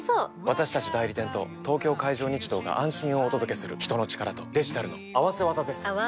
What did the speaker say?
私たち代理店と東京海上日動が安心をお届けする人の力とデジタルの合わせ技です！